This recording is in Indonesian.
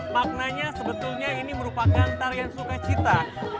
maknanya sebetulnya ini merupakan tarian sukacita